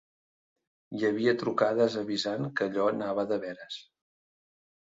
Hi havia trucades avisant que allò anava de veres.